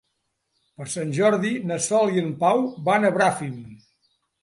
Per Sant Jordi na Sol i en Pau van a Bràfim.